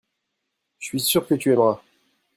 je suis sûr que tu aimeras.